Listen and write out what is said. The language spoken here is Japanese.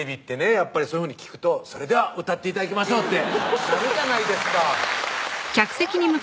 やっぱりそういうふうに聞くと「それでは歌って頂きましょう」となるじゃないですかすいません